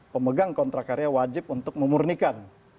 pemegang kontrak karya wajib untuk memurnikan